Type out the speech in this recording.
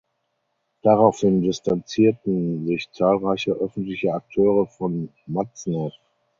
Daraufhin distanzierten sich zahlreiche öffentliche Akteure von Matzneff.